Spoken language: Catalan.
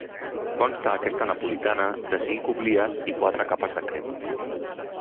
Consta aquesta napolitana de cinc oblies i quatre capes de crema.